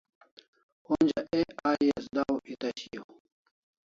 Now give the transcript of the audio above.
Onja AI as da'ur ets shiau